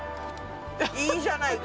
いいじゃないか。